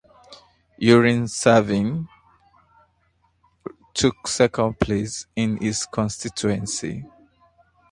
Yuri Savin took second place in his constituency.